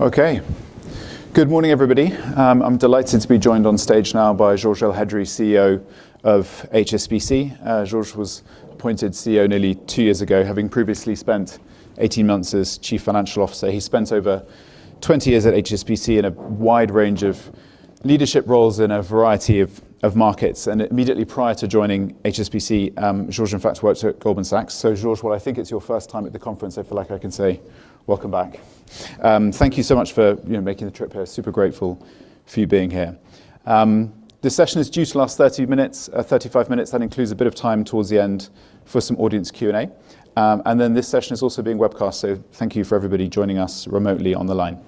Okay. Good morning, everybody. I'm delighted to be joined on stage now by Georges Elhedery, CEO of HSBC. Georges was appointed CEO nearly two years ago, having previously spent 18 months as Chief Financial Officer. He spent over 20 years at HSBC in a wide range of leadership roles in a variety of markets. Immediately prior to joining HSBC, Georges in fact, worked at Goldman Sachs. Georges, while I think it's your first time at the conference, I feel like I can say welcome back. Thank you so much for making the trip here. Super grateful for you being here. This session is due to last 30-minutes, 35-minutes. That includes a bit of time towards the end for some audience Q&A. This session is also being webcast, thank you for everybody joining us remotely on the line.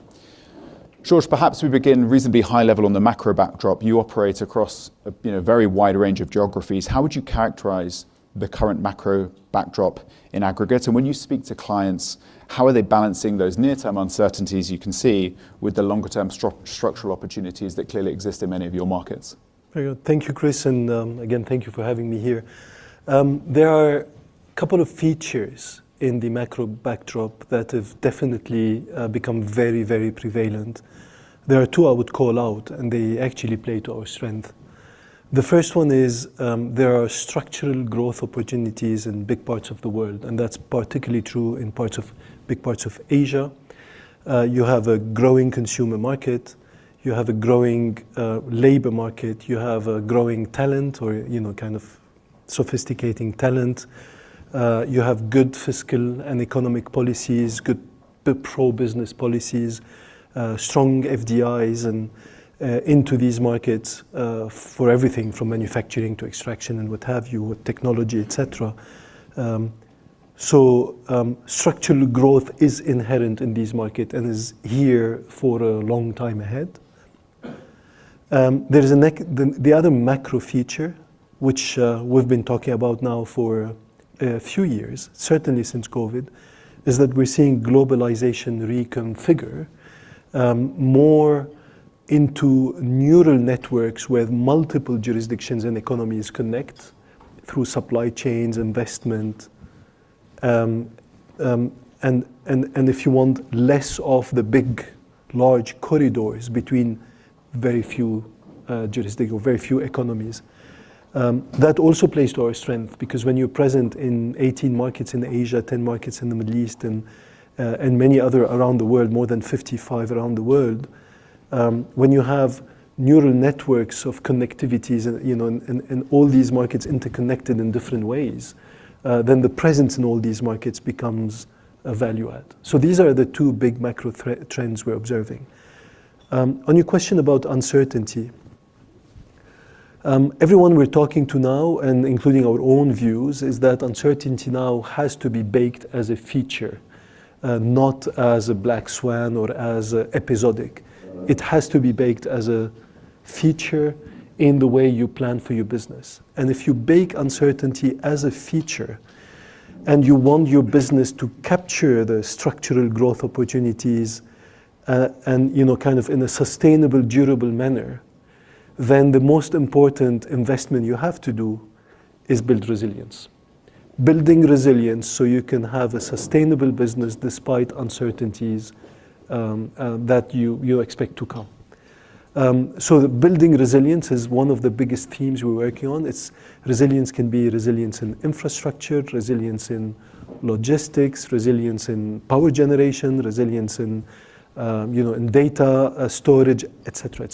Georges, perhaps we begin reasonably high level on the macro backdrop. You operate across a very wide range of geographies. How would you characterize the current macro backdrop in aggregate? When you speak to clients, how are they balancing those near-term uncertainties you can see with the longer-term structural opportunities that clearly exist in many of your markets? Very good. Thank you, Chris. Again, thank you for having me here. There are a couple of features in the macro backdrop that have definitely become very prevalent. There are two I would call out. They actually play to our strength. The first one is there are structural growth opportunities in big parts of the world. That's particularly true in big parts of Asia. You have a growing consumer market. You have a growing labor market. You have a growing talent or kind of sophisticating talent. You have good fiscal and economic policies, good pro-business policies, strong FDIs into these markets, for everything from manufacturing to extraction and what have you, with technology, et cetera. Structural growth is inherent in this market and is here for a long time ahead. The other macro feature, which we've been talking about now for a few years, certainly since COVID, is that we're seeing globalization reconfigure more into neural networks where multiple jurisdictions and economies connect through supply chains, investment. If you want less of the big, large corridors between very few jurisdictions or very few economies. That also plays to our strength because when you're present in 18 markets in Asia, 10 markets in the Middle East, and many other around the world, more than 55 around the world, when you have neural networks of connectivities and all these markets interconnected in different ways, then the presence in all these markets becomes a value add. These are the two big macro trends we're observing. On your question about uncertainty, everyone we're talking to now, and including our own views, is that uncertainty now has to be baked as a feature, not as a black swan or as episodic. It has to be baked as a feature in the way you plan for your business. If you bake uncertainty as a feature and you want your business to capture the structural growth opportunities and kind of in a sustainable, durable manner, the most important investment you have to do is build resilience. Building resilience so you can have a sustainable business despite uncertainties that you expect to come. Building resilience is one of the biggest themes we're working on. Resilience can be resilience in infrastructure, resilience in logistics, resilience in power generation, resilience in data storage, et cetera.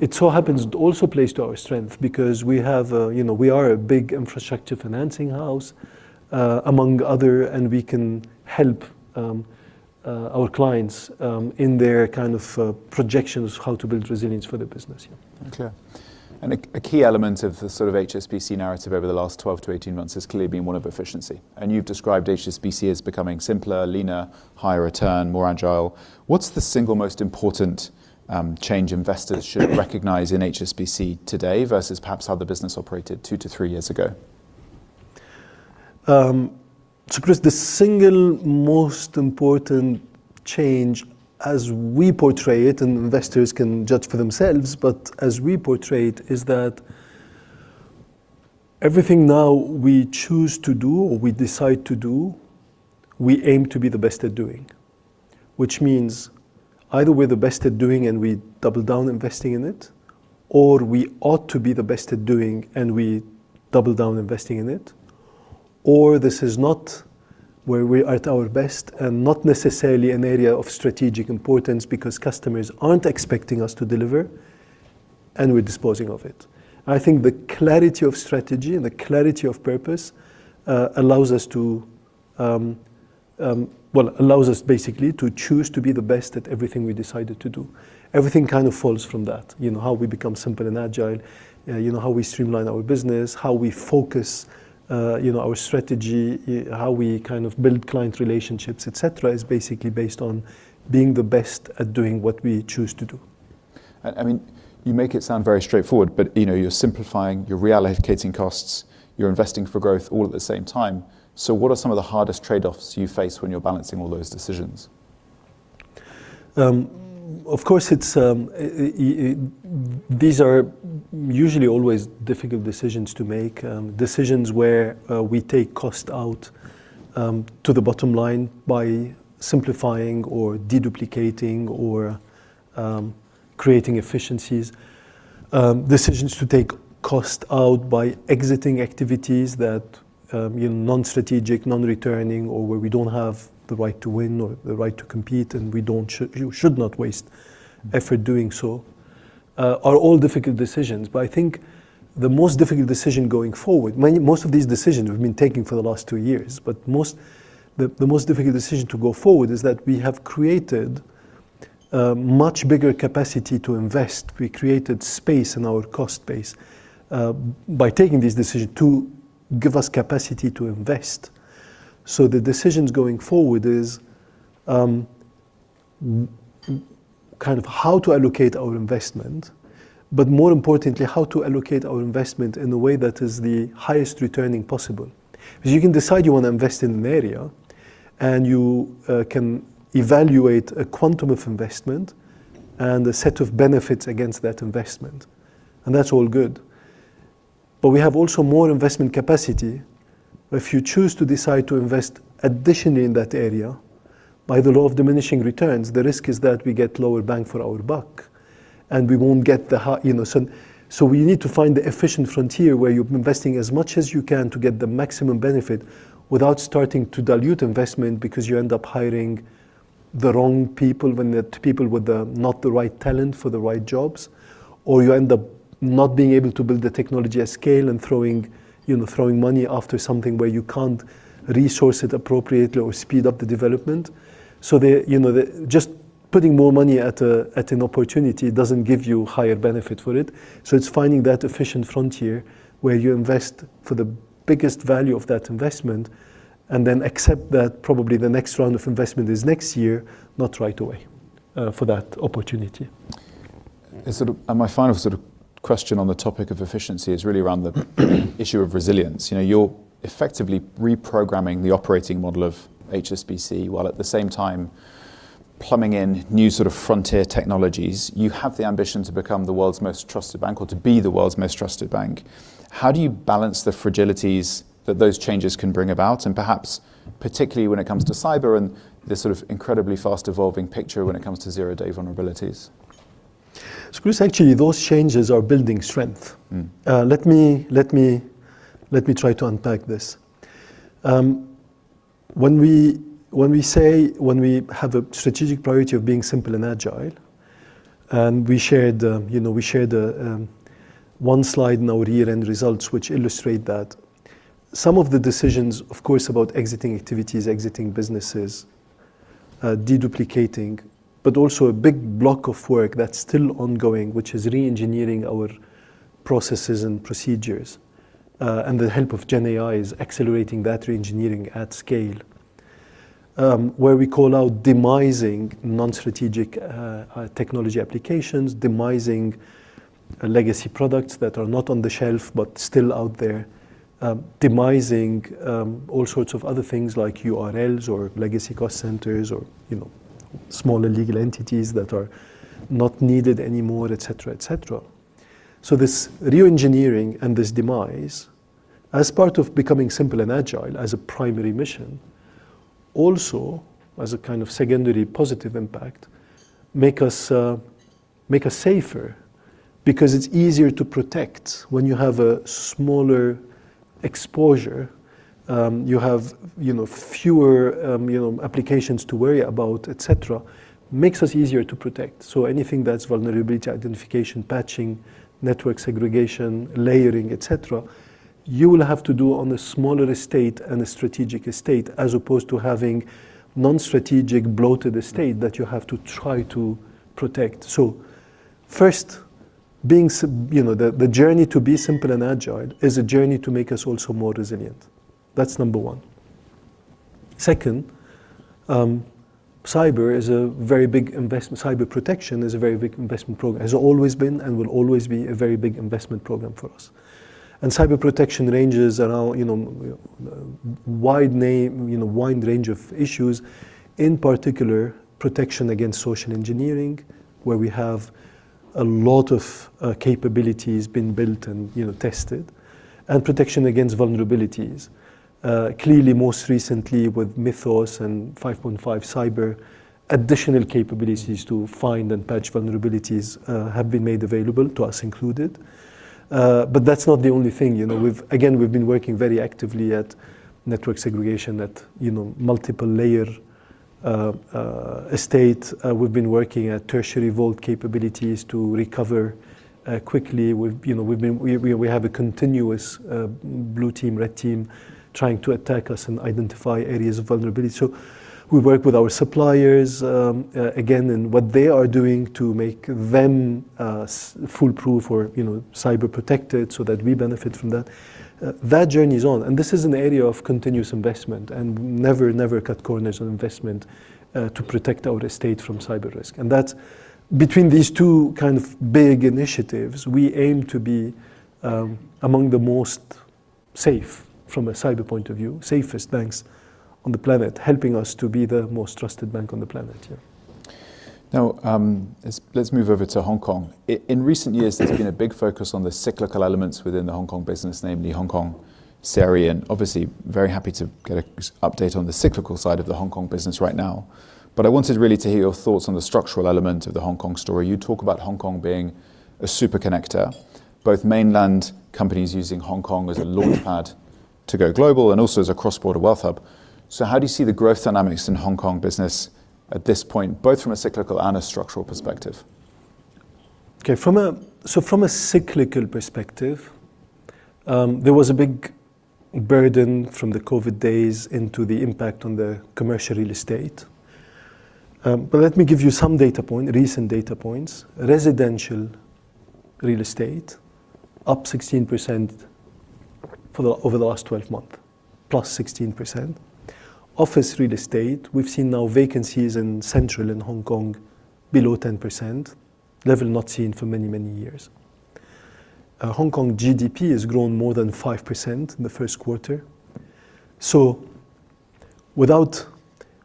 It so happens it also plays to our strength because we are a big infrastructure financing house among other, and we can help our clients in their kind of projections, how to build resilience for their business. Okay. A key element of the sort of HSBC narrative over the last 12-18 months has clearly been one of efficiency. You've described HSBC as becoming simpler, leaner, higher return, more agile. What's the single most important change investors should recognize in HSBC today versus perhaps how the business operated two to three years ago? Chris, the single most important change as we portray it, and investors can judge for themselves, but as we portray it, is that everything now we choose to do or we decide to do, we aim to be the best at doing. Which means either we're the best at doing and we double down investing in it, or we ought to be the best at doing and we double down investing in it, or this is not where we are at our best and not necessarily an area of strategic importance because customers aren't expecting us to deliver, and we're disposing of it. I think the clarity of strategy and the clarity of purpose allows us, basically, to choose to be the best at everything we decided to do. Everything kind of falls from that. How we become simple and agile, how we streamline our business, how we focus our strategy, how we build client relationships, et cetera, is basically based on being the best at doing what we choose to do. You make it sound very straightforward, but you're simplifying, you're reallocating costs, you're investing for growth all at the same time. What are some of the hardest trade-offs you face when you're balancing all those decisions? Of course, these are usually always difficult decisions to make. Decisions where we take cost out to the bottom line by simplifying or deduplicating or creating efficiencies. Decisions to take cost out by exiting activities that non-strategic, non-returning, or where we don't have the right to win or the right to compete, and you should not waste effort doing so, are all difficult decisions. I think the most difficult decision going forward, most of these decisions we've been taking for the last two years, but the most difficult decision to go forward is that we have created a much bigger capacity to invest. We created space in our cost base by taking this decision to give us capacity to invest. The decisions going forward is how to allocate our investment, but more importantly, how to allocate our investment in a way that is the highest returning possible. Because you can decide you want to invest in an area, and you can evaluate a quantum of investment and a set of benefits against that investment, and that's all good. We have also more investment capacity. If you choose to decide to invest additionally in that area, by the law of diminishing returns, the risk is that we get lower bang for our buck and we won't get. We need to find the efficient frontier where you're investing as much as you can to get the maximum benefit without starting to dilute investment because you end up hiring the wrong people with not the right talent for the right jobs. You end up not being able to build the technology at scale and throwing money after something where you can't resource it appropriately or speed up the development. Just putting more money at an opportunity doesn't give you higher benefit for it. It's finding that efficient frontier where you invest for the biggest value of that investment and then accept that probably the next round of investment is next year, not right away for that opportunity. My final question on the topic of efficiency is really around the issue of resilience. You're effectively reprogramming the operating model of HSBC while at the same time plumbing in new frontier technologies. You have the ambition to become the world's most trusted bank or to be the world's most trusted bank. How do you balance the fragilities that those changes can bring about, and perhaps particularly when it comes to cyber and this incredibly fast-evolving picture when it comes to zero-day vulnerabilities? Actually, those changes are building strength. Let me try to unpack this. When we have a strategic priority of being simple and agile, we shared one slide in our year-end results which illustrate that some of the decisions, of course, about exiting activities, exiting businesses, deduplicating, but also a big block of work that's still ongoing, which is re-engineering our processes and procedures. The help of GenAI is accelerating that re-engineering at scale, where we call out demising non-strategic technology applications, demising legacy products that are not on the shelf but still out there, demising all sorts of other things like URLs or legacy cost centers or smaller legal entities that are not needed anymore, et cetera. This re-engineering and this demise, as part of becoming simple and agile as a primary mission, also as a kind of secondary positive impact, make us safer because it's easier to protect when you have a smaller exposure, you have fewer applications to worry about, et cetera, makes us easier to protect. Anything that's vulnerability identification, patching, network segregation, layering, et cetera, you will have to do on a smaller estate and a strategic estate as opposed to having non-strategic bloated estate that you have to try to protect. First, the journey to be simple and agile is a journey to make us also more resilient. That's number one. Second, cyber is a very big investment. Cyber protection is a very big investment program. Has always been and will always be a very big investment program for us. Cyber protection ranges around wide range of issues, in particular, protection against social engineering, where we have a lot of capabilities being built and tested, and protection against vulnerabilities. Clearly, most recently with Mythos and 5.5 Cyber, additional capabilities to find and patch vulnerabilities have been made available to us included. That's not the only thing. Again, we've been working very actively at network segregation, at multiple layer estate. We've been working at Tertiary Vault capabilities to recover quickly. We have a continuous blue team, red team trying to attack us and identify areas of vulnerability. We work with our suppliers, again, in what they are doing to make them foolproof or cyber protected so that we benefit from that. That journey is on, this is an area of continuous investment, never cut corners on investment to protect our estate from cyber risk. Between these two big initiatives, we aim to be among the safest banks on the planet, helping us to be the most trusted bank on the planet, yeah. Let's move over to Hong Kong. In recent years, there's been a big focus on the cyclical elements within the Hong Kong business, namely Hong Kong, CRE, and obviously very happy to get an update on the cyclical side of the Hong Kong business right now. I wanted really to hear your thoughts on the structural element of the Hong Kong story. You talk about Hong Kong being a super connector, both mainland companies using Hong Kong as a launchpad to go global and also as a cross-border wealth hub. How do you see the growth dynamics in Hong Kong business at this point, both from a cyclical and a structural perspective? From a cyclical perspective, there was a big burden from the COVID days into the impact on the Commercial Real Estate. Let me give you some recent data points. Residential real estate, up 16% over the last 12 months, +16%. Office real estate, we've seen now vacancies in central in Hong Kong below 10%, level not seen for many, many years. Hong Kong GDP has grown more than 5% in the first quarter. Without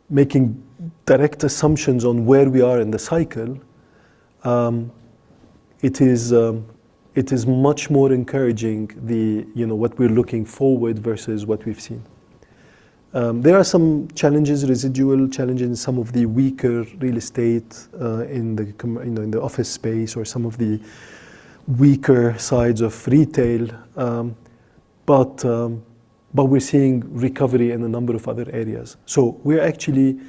making direct assumptions on where we are in the cycle, it is much more encouraging what we're looking forward versus what we've seen. There are some challenges, residual challenges, some of the weaker real estate in the office space or some of the weaker sides of retail. We're seeing recovery in a number of other areas. We're actually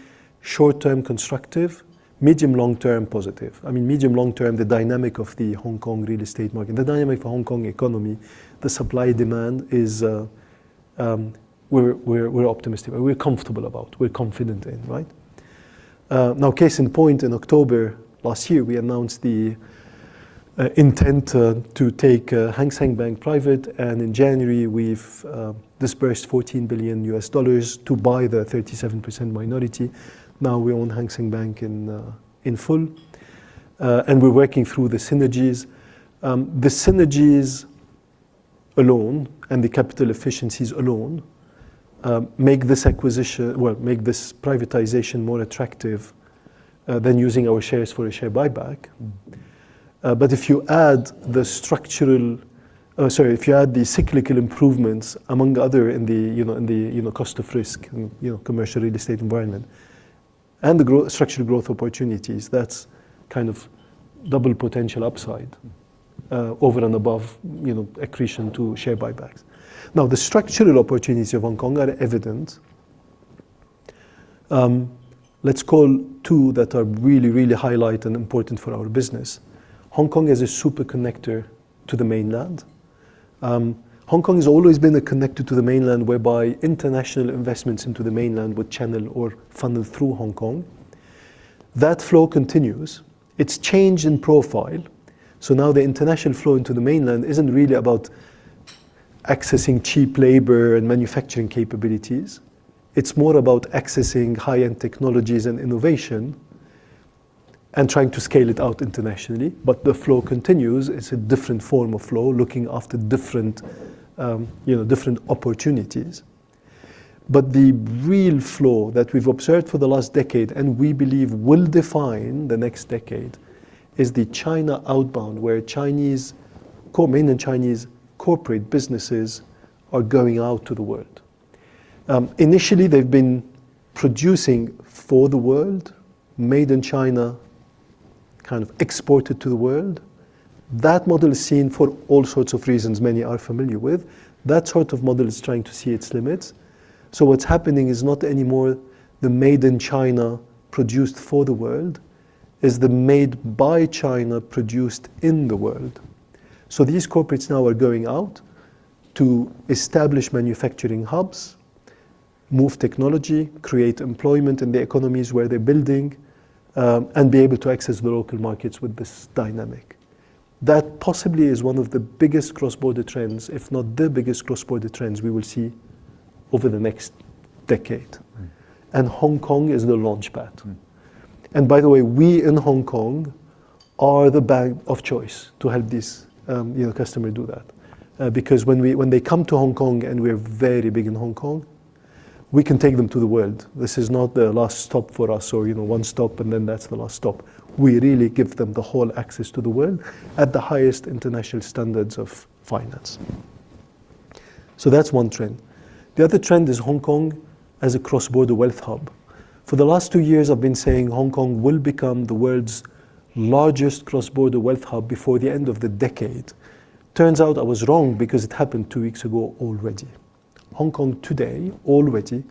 short-term constructive, medium long-term positive. Medium long-term, the dynamic of the Hong Kong real estate market, the dynamic for Hong Kong economy, the supply-demand is we're optimistic, we're comfortable about, we're confident in, right? Now case in point, in October last year, we announced the intent to take Hang Seng Bank private, and in January we've disbursed $14 billion to buy the 37% minority. Now we own Hang Seng Bank in full, and we're working through the synergies. The synergies alone and the capital efficiencies alone make this privatization more attractive than using our shares for a share buyback. If you add the cyclical improvements among other in the cost of risk and commercial real estate environment and the structural growth opportunities, that's kind of double potential upside over and above accretion to share buybacks. The structural opportunities of Hong Kong are evident. Let's call two that are really highlight and important for our business. Hong Kong is a super connector to the mainland. Hong Kong has always been a connector to the mainland whereby international investments into the mainland would channel or funnel through Hong Kong. That flow continues. It's changed in profile, so now the international flow into the mainland isn't really about accessing cheap labor and manufacturing capabilities. It's more about accessing high-end technologies and innovation and trying to scale it out internationally. The flow continues. It's a different form of flow, looking after different opportunities. The real flow that we've observed for the last decade and we believe will define the next decade is the China outbound where mainland Chinese corporate businesses are going out to the world. Initially, they've been producing for the world, made in China, kind of exported to the world. That model is seen for all sorts of reasons many are familiar with. That sort of model is trying to see its limits. What's happening is not anymore the made-in-China produced for the world. Is the made by China produced in the world. These corporates now are going out to establish manufacturing hubs, move technology, create employment in the economies where they're building, and be able to access the local markets with this dynamic. That possibly is one of the biggest cross-border trends, if not the biggest cross-border trends we will see over the next decade. Hong Kong is the launchpad. By the way, we in Hong Kong are the bank of choice to help this customer do that. When they come to Hong Kong, and we are very big in Hong Kong, we can take them to the world. This is not the last stop for us or one stop, and then that's the last stop. We really give them the whole access to the world at the highest international standards of finance. That's one trend. The other trend is Hong Kong as a cross-border wealth hub. For the last two years, I've been saying Hong Kong will become the world's largest cross-border wealth hub before the end of the decade. Turns out I was wrong because it happened two weeks ago already. Hong Kong today already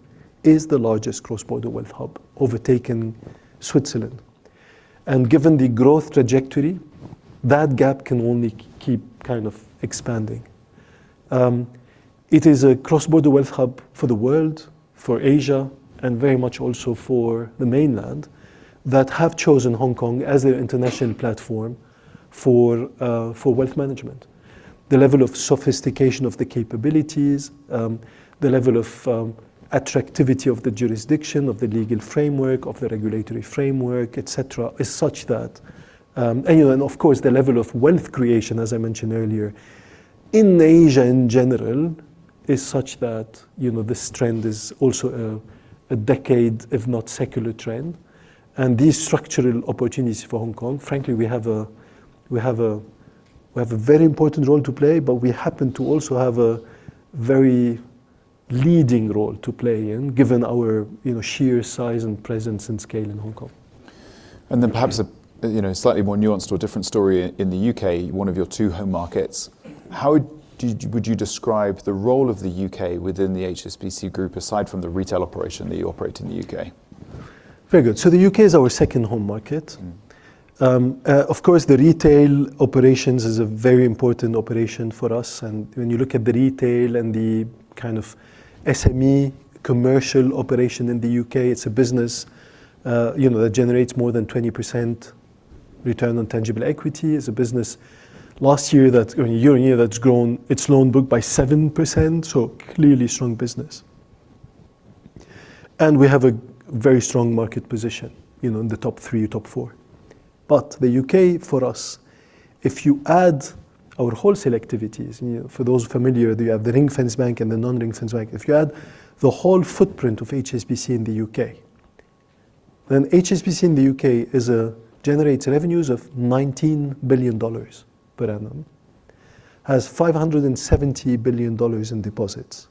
is the largest cross-border wealth hub, overtaken Switzerland. Given the growth trajectory, that gap can only keep kind of expanding. It is a cross-border wealth hub for the world, for Asia, and very much also for the Mainland that have chosen Hong Kong as their international platform for wealth management. The level of sophistication of the capabilities, the level of attractivity of the jurisdiction of the legal framework, of the regulatory framework, et cetera, is such that. Of course, the level of wealth creation, as I mentioned earlier in Asia in general, it's such that this trend is also a decade, if not secular trend. These structural opportunities for Hong Kong, frankly, we have a very important role to play, but we happen to also have a very leading role to play in, given our sheer size and presence and scale in Hong Kong. Then perhaps a slightly more nuanced or different story in the U.K., one of your two home markets, how would you describe the role of the U.K. within the HSBC Group, aside from the retail operation that you operate in the U.K.? Very good. The U.K. is our second home market. Of course, the retail operations is a very important operation for us, and when you look at the retail and the kind of SME commercial operation in the U.K., it's a business that generates more than 20% return on tangible equity. It's a business last year-over-year, that's grown its loan book by 7%, so clearly strong business. We have a very strong market position, in the top 3, top 4. The U.K. for us, if you add our wholesale activities, for those familiar, you have the ring-fenced bank and the non-ring-fenced bank. If you add the whole footprint of HSBC in the U.K., then HSBC in the U.K. generates revenues of $19 billion per annum, has $570 billion in deposits,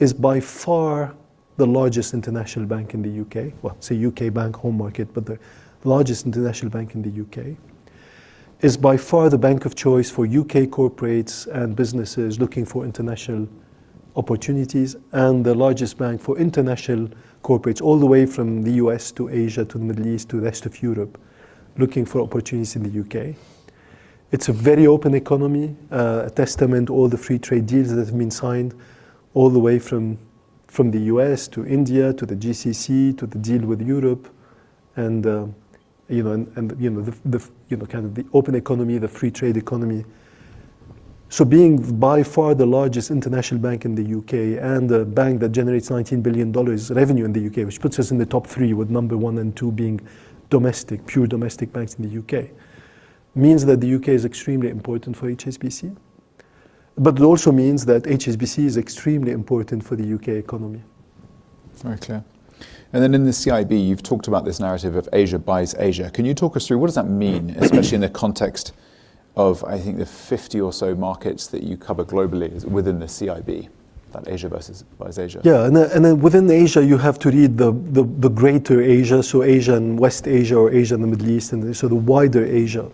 is by far the largest international bank in the U.K. Well, it's a U.K. bank home market, but the largest international bank in the U.K. Is by far the bank of choice for U.K. corporates and businesses looking for international opportunities, and the largest bank for international corporates all the way from the U.S. to Asia to the Middle East to the rest of Europe, looking for opportunities in the U.K. It's a very open economy, a testament to all the free trade deals that have been signed all the way from the U.S. to India to the GCC to the deal with Europe. The open economy, the free trade economy. Being by far the largest international bank in the U.K. and the bank that generates $19 billion revenue in the U.K., which puts us in the top 3 with number 1 and 2 being domestic, pure domestic banks in the U.K., means that the U.K. is extremely important for HSBC. It also means that HSBC is extremely important for the U.K. economy. Very clear. In the CIB, you've talked about this narrative of Asia buys Asia. Can you talk us through what does that mean, especially in the context of, I think, the 50 or so markets that you cover globally within the CIB, that Asia buys Asia? Yeah. Within Asia, you have to read the greater Asia, so Asia and West Asia or Asia and the Middle East, the wider Asia.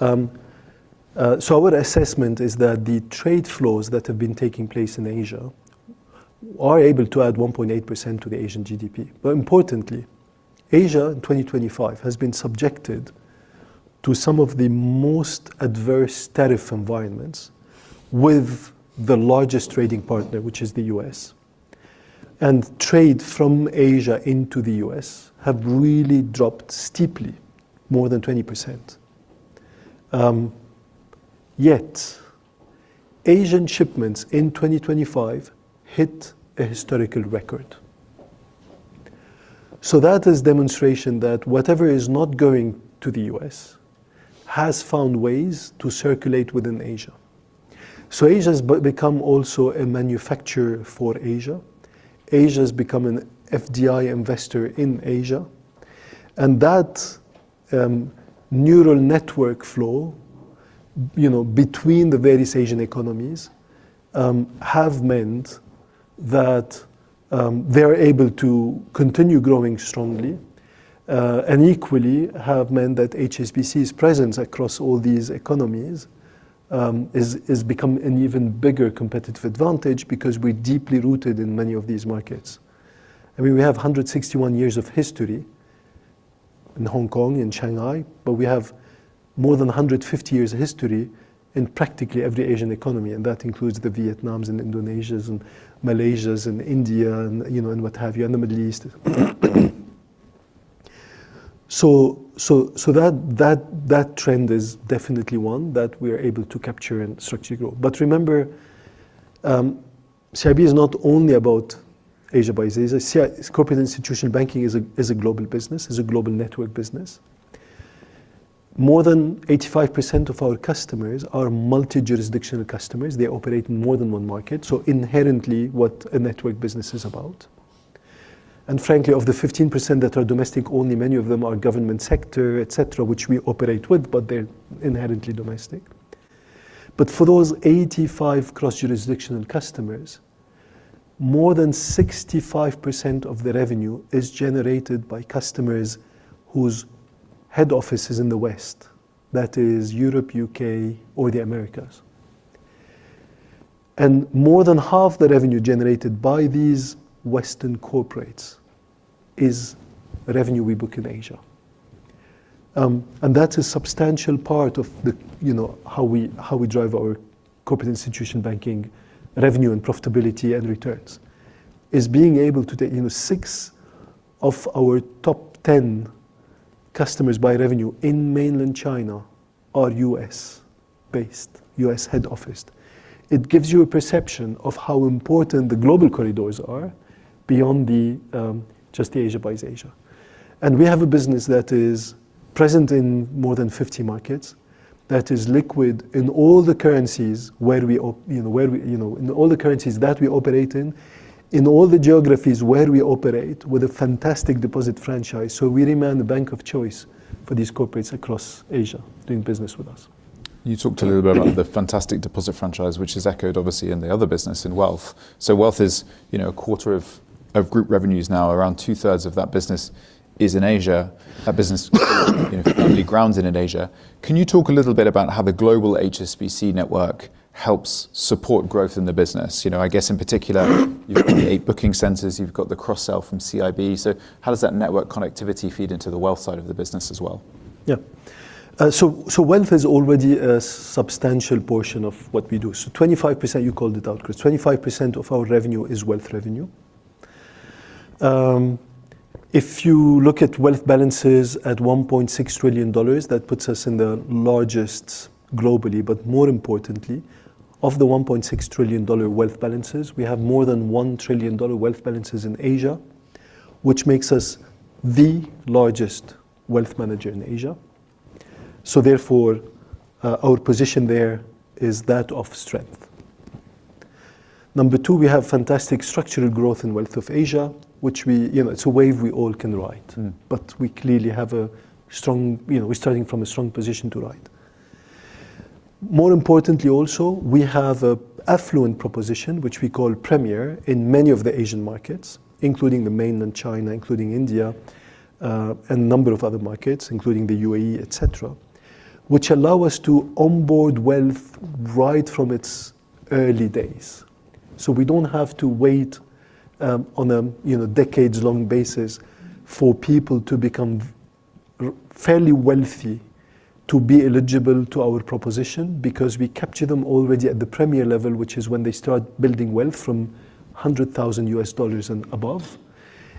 Our assessment is that the trade flows that have been taking place in Asia are able to add 1.8% to the Asian GDP. Importantly, Asia in 2025 has been subjected to some of the most adverse tariff environments with the largest trading partner, which is the U.S. Trade from Asia into the U.S. have really dropped steeply more than 20%. Yet Asian shipments in 2025 hit a historical record. That is demonstration that whatever is not going to the U.S. has found ways to circulate within Asia. Asia has become also a manufacturer for Asia. Asia has become an FDI investor in Asia. That neural network flow between the various Asian economies have meant that they're able to continue growing strongly, and equally have meant that HSBC's presence across all these economies has become an even bigger competitive advantage because we're deeply rooted in many of these markets. I mean, we have 161 years of history in Hong Kong, in Shanghai, but we have more than 150 years of history in practically every Asian economy, and that includes the Vietnams and Indonesias and Malaysias and India and you know, the Middle East. That trend is definitely one that we are able to capture and structurally grow. Remember, CIB is not only about Asia buys Asia. Corporate and Institution Banking is a global business, is a global network business. More than 85% of our customers are multi-jurisdictional customers. They operate in more than one market, so inherently what a network business is about. Frankly, of the 15% that are domestic only, many of them are government sector, et cetera, which we operate with, but they're inherently domestic. For those 85 cross-jurisdictional customers, more than 65% of the revenue is generated by customers whose head office is in the West, that is Europe, U.K., or the Americas. More than half the revenue generated by these Western corporates is revenue we book in Asia. That's a substantial part of how we drive our corporate institution banking revenue and profitability and returns, is being able to take six of our top 10 customers by revenue in mainland China are U.S.-based, U.S. head officed. It gives you a perception of how important the global corridors are beyond the just Asia buys Asia. We have a business that is present in more than 50 markets, that is liquid in all the currencies that we operate in all the geographies where we operate, with a fantastic deposit franchise. We remain the bank of choice for these corporates across Asia doing business with us. You talked a little bit about the fantastic deposit franchise, which is echoed, obviously, in the other business, in wealth. Wealth is a quarter of Group revenues now. Around two-thirds of that business is in Asia, that business heavily grounded in Asia. Can you talk a little bit about how the global HSBC network helps support growth in the business? I guess in particular, you've got the eight booking centers, you've got the cross-sell from CIB. How does that network connectivity feed into the wealth side of the business as well? Yeah. Wealth is already a substantial portion of what we do. 25%, you called it out, Chris. 25% of our revenue is wealth revenue. If you look at wealth balances at $1.6 trillion, that puts us in the largest globally, but more importantly, of the $1.6 trillion wealth balances, we have more than $1 trillion wealth balances in Asia, which makes us the largest wealth manager in Asia. Therefore, our position there is that of strength. Number two, we have fantastic structural growth in wealth of Asia, it's a wave we all can ride. We're starting from a strong position to ride. More importantly, also, we have a affluent proposition, which we call Premier, in many of the Asian markets, including the mainland China, including India, and a number of other markets, including the UAE, et cetera, which allow us to onboard wealth right from its early days. We don't have to wait on a decades-long basis for people to become fairly wealthy to be eligible to our proposition, because we capture them already at the Premier level, which is when they start building wealth from $100,000 and above.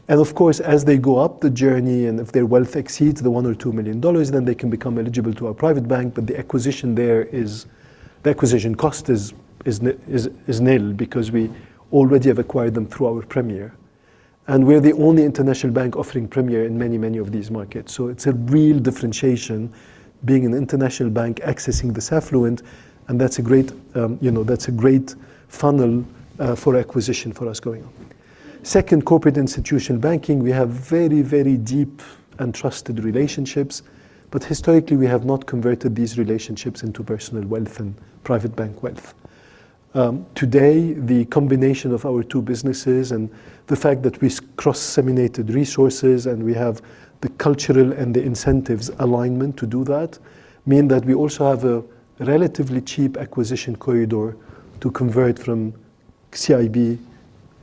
Of course, as they go up the journey, and if their wealth exceeds $1 million or $2 million, then they can become eligible to our private bank. The acquisition cost is nil because we already have acquired them through our Premier. We're the only international bank offering Premier in many of these markets. It's a real differentiation, being an international bank accessing this affluent, and that's a great funnel for acquisition for us going on. Second, corporate institution banking, we have very deep and trusted relationships. Historically, we have not converted these relationships into personal wealth and private bank wealth. Today, the combination of our two businesses and the fact that we cross-seminated resources and we have the cultural and the incentives alignment to do that, mean that we also have a relatively cheap acquisition corridor to convert from CIB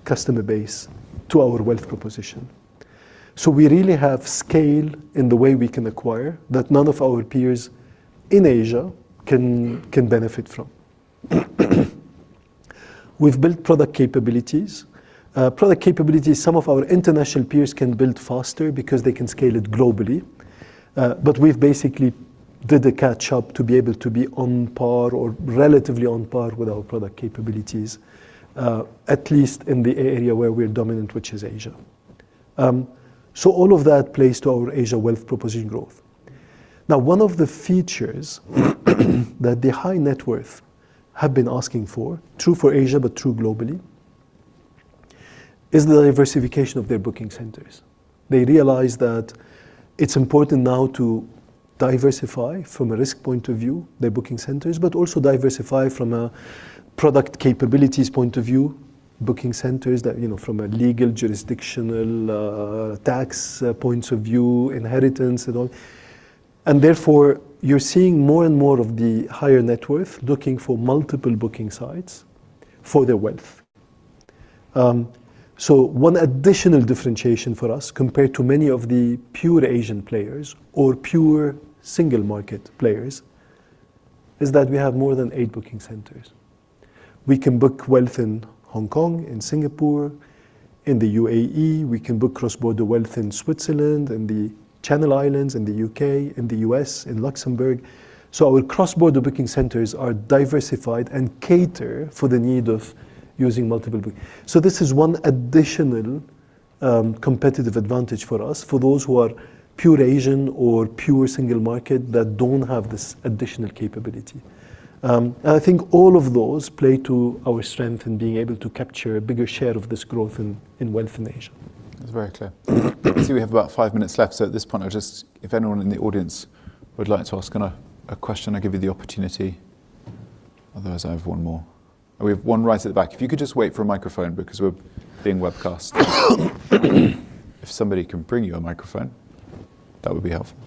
customer base to our wealth proposition. We really have scale in the way we can acquire that none of our peers in Asia can benefit from. We've built product capabilities. Product capabilities, some of our international peers can build faster because they can scale it globally. We've basically did a catch up to be able to be on par or relatively on par with our product capabilities, at least in the area where we're dominant, which is Asia. All of that plays to our Asia wealth proposition growth. Now, one of the features that the high net worth have been asking for, true for Asia but true globally, is the diversification of their booking centers. They realize that it's important now to diversify from a risk point of view, their booking centers, but also diversify from a product capabilities point of view, booking centers that from a legal, jurisdictional, tax points of view, inheritance and all. Therefore, you're seeing more and more of the higher net worth looking for multiple booking sites for their wealth. One additional differentiation for us, compared to many of the pure Asian players or pure single market players, is that we have more than eight booking centers. We can book wealth in Hong Kong, in Singapore, in the UAE. We can book cross-border wealth in Switzerland, in the Channel Islands, in the U.K., in the U.S., in Luxembourg. Our cross-border booking centers are diversified and cater for the need of using multiple booking. This is one additional competitive advantage for us, for those who are pure Asian or pure single market that don't have this additional capability. I think all of those play to our strength in being able to capture a bigger share of this growth in wealth in Asia. That's very clear. I see we have about five minutes left, so at this point, if anyone in the audience would like to ask a question, I give you the opportunity. Otherwise, I have one more. We have one right at the back. If you could just wait for a microphone because we're being webcast. If somebody can bring you a microphone, that would be helpful.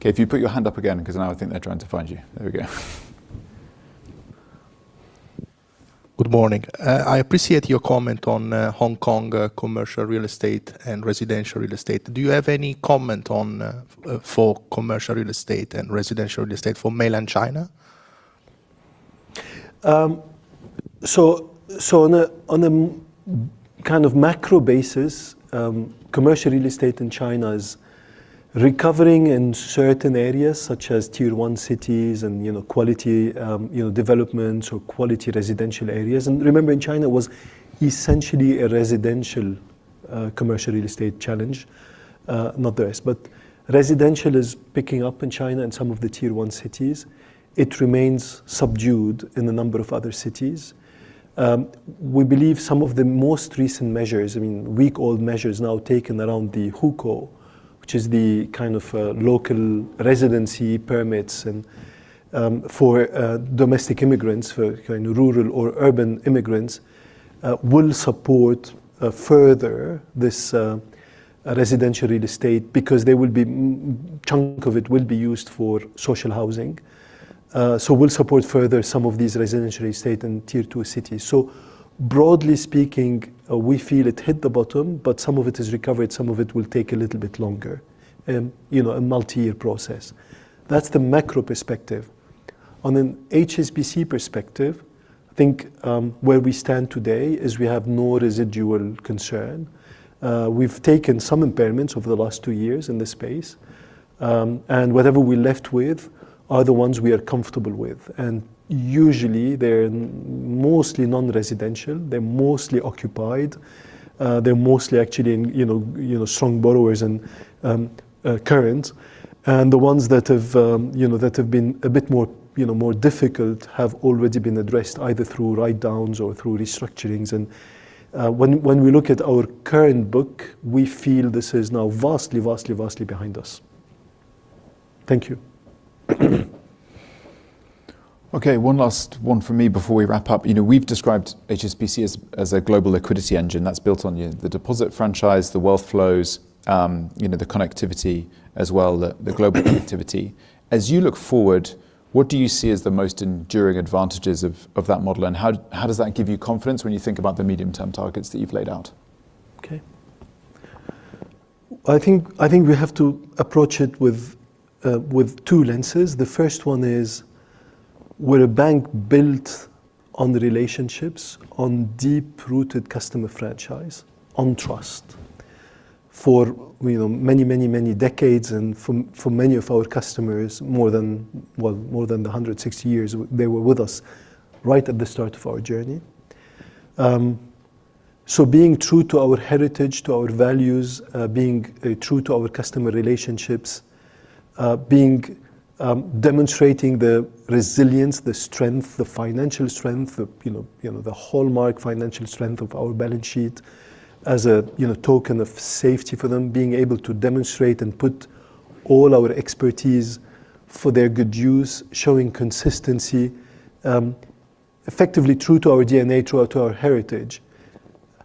Okay, if you put your hand up again, because now I think they're trying to find you. There we go. Good morning. I appreciate your comment on Hong Kong commercial real estate and residential real estate. Do you have any comment for commercial real estate and residential real estate for mainland China? On a macro basis, commercial real estate in China is recovering in certain areas, such as Tier 1 cities and quality developments or quality residential areas. Remember, in China, it was essentially a residential commercial real estate challenge. Not the rest. Residential is picking up in China and some of the Tier 1 cities. It remains subdued in a number of other cities. We believe some of the most recent measures, week-old measures now taken around the hukou, which is the local residency permits for domestic immigrants, for rural or urban immigrants, will support further this residential real estate because a chunk of it will be used for social housing. Will support further some of these residential real estate in Tier 2 cities. Broadly speaking, we feel it hit the bottom, but some of it has recovered, some of it will take a little bit longer. A multi-year process. That's the macro perspective. On an HSBC perspective, I think where we stand today is we have no residual concern. We've taken some impairments over the last two years in this space, and whatever we're left with are the ones we are comfortable with. Usually, they're mostly non-residential, they're mostly occupied, they're mostly actually strong borrowers and current. The ones that have been a bit more difficult have already been addressed either through write-downs or through restructurings. When we look at our current book, we feel this is now vastly, vastly behind us. Thank you. Okay, one last one from me before we wrap up. We've described HSBC as a global liquidity engine that's built on the deposit franchise, the wealth flows, the connectivity as well, the global connectivity. As you look forward, what do you see as the most enduring advantages of that model, and how does that give you confidence when you think about the medium-term targets that you've laid out? I think we have to approach it with two lenses. The first one is, we're a bank built on relationships, on deep-rooted customer franchise, on trust. For many, many, many decades, and for many of our customers, more than the 106 years they were with us right at the start of our journey. Being true to our heritage, to our values, being true to our customer relationships, demonstrating the resilience, the strength, the financial strength, the hallmark financial strength of our balance sheet as a token of safety for them. Being able to demonstrate and put all our expertise for their good use, showing consistency, effectively true to our DNA, true to our heritage,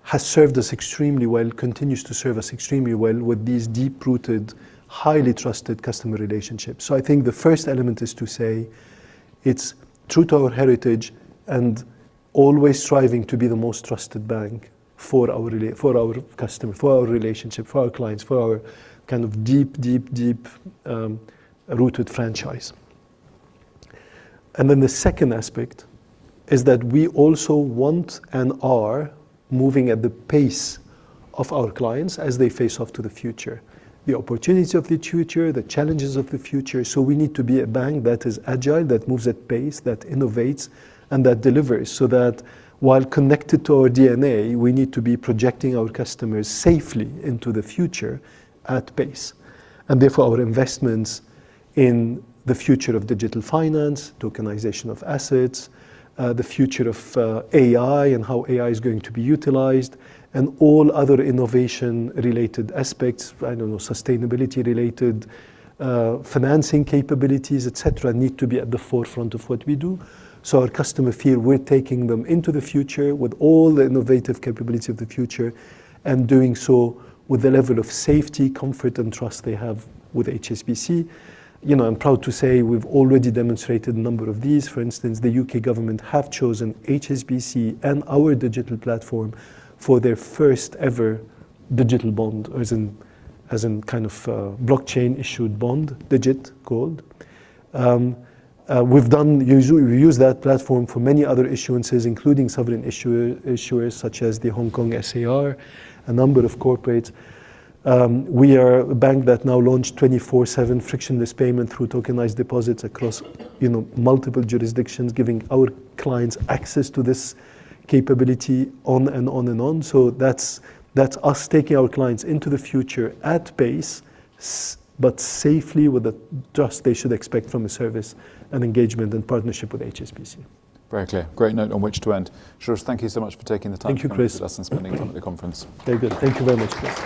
has served us extremely well, continues to serve us extremely well with these deep-rooted, highly trusted customer relationships. I think the first element is to say it's true to our heritage and always striving to be the most trusted bank for our customer, for our relationship, for our clients, for our deep, deep, deep-rooted franchise. The second aspect is that we also want and are moving at the pace of our clients as they face off to the future, the opportunities of the future, the challenges of the future. We need to be a bank that is agile, that moves at pace, that innovates and that delivers, so that while connected to our DNA, we need to be projecting our customers safely into the future at pace. Therefore, our investments in the future of digital finance, tokenization of assets, the future of AI and how AI is going to be utilized, and all other innovation-related aspects, I don't know, sustainability-related financing capabilities, et cetera, need to be at the forefront of what we do. Our customer feel we're taking them into the future with all the innovative capability of the future, and doing so with the level of safety, comfort, and trust they have with HSBC. I'm proud to say we've already demonstrated a number of these. For instance, the U.K. government have chosen HSBC and our digital platform for their first ever digital bond, as in blockchain-issued bond, DIGIT Gold. We've used that platform for many other issuances, including sovereign issuers such as the Hong Kong SAR, a number of corporates. We are a bank that now launched 24/7 frictionless payment through tokenized deposits across multiple jurisdictions, giving our clients access to this capability on and on. That's us taking our clients into the future at pace, but safely with the trust they should expect from a service and engagement and partnership with HSBC. Very clear. Great note on which to end. Georges, thank you so much for taking the time— Thank you, Chris. —to come and give us a lesson, spending time at the conference. Very good. Thank you very much, Chris.